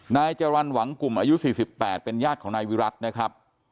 นายจรรย์หวังกลุ่มอายุ๔๘เป็นญาติของนายวิรัตินะครับ